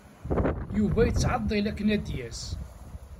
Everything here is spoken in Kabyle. Yuba yettɛeḍḍil akken ad d-yas.